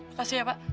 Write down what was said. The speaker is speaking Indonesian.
makasih ya pak